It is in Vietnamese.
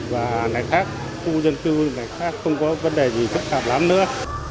và ngày khác khu dân cư ngày khác không có vấn đề gì khắc phạm lắm nữa